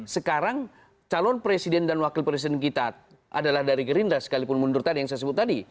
sekarang calon presiden dan wakil presiden kita adalah dari gerindra sekalipun mundur tadi yang saya sebut tadi